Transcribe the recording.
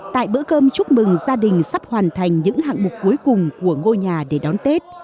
tại bữa cơm chúc mừng gia đình sắp hoàn thành những hạng mục cuối cùng của ngôi nhà để đón tết